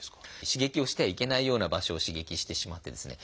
刺激をしてはいけないような場所を刺激してしまってですね